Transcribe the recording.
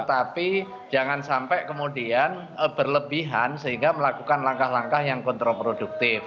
jadi jangan sampai kemudian berlebihan sehingga melakukan langkah langkah yang kontrol produktif